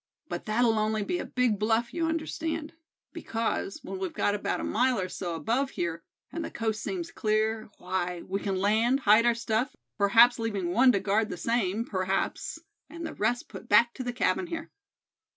But that'll only be a big bluff, you understand; because, when we've got about a mile or so above here, and the coast seems clear, why, we can land, hide our stuff, perhaps leaving one to guard the same, perhaps, and the rest put back to the cabin here."